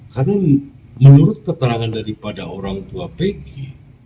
karena menurut keterangan daripada orang tua peggy